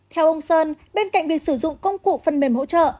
theo ông sơn bên cạnh việc sử dụng công cụ phân mêm hỗ trợ